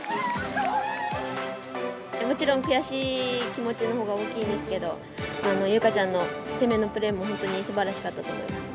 もちろん悔しい気持ちのほうが大きいですけど、優花ちゃんの攻めのプレーも本当にすばらしかったと思います。